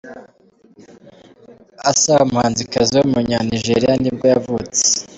Asa, umuhanzikazi w’umunya-Nigeria nibwo yavutse.